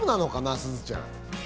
すずちゃん。